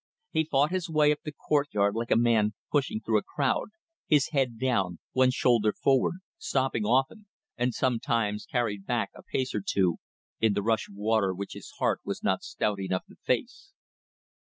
He fought his way up the courtyard like a man pushing through a crowd, his head down, one shoulder forward, stopping often, and sometimes carried back a pace or two in the rush of water which his heart was not stout enough to face.